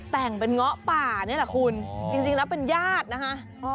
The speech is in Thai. แต่งเป็นเงาะป่านี่แหละคุณจริงแล้วเป็นญาตินะคะ